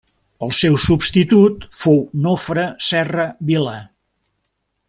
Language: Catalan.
El seu substitut fou Nofre Serra Vila.